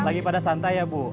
lagi pada santai ya bu